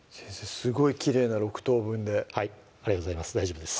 すごいきれいな６等分でありがとうございます大丈夫です